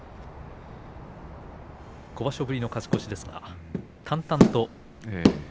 ５場所ぶりの勝ち越しでも淡々と。